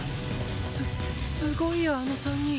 すすごいやあの３人。